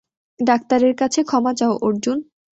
ডাক্তারের কাছে ক্ষমা চাও, অর্জুন!